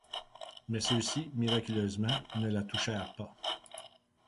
Mais ceux-ci, miraculeusement, ne la touchèrent pas.